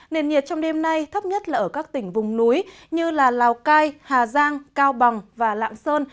nền nhiệt trong đêm nay thấp nhất là ở các tỉnh vùng núi như lào cai hà giang cao bằng và lạng sơn